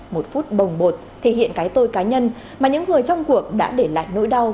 một phút bồng bột thể hiện cái tôi cá nhân mà những người trong cuộc đã để lại nỗi đau